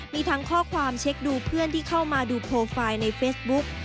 มีทั้งข้อความเช็คดูเพื่อนที่เข้ามาดูโปรไฟล์ในเฟซบุ๊ก